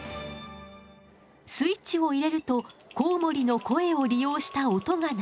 スイッチを入れるとコウモリの声を利用した音が流れるの。